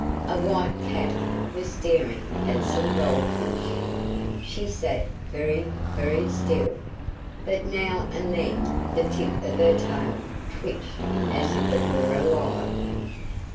A white cat was staring at some goldfish; she sat very, very still, but now and then the tip of her tail twitched as if it were alive.